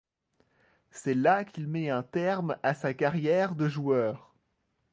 C'est là qu'il met un terme à sa carrière de joueur.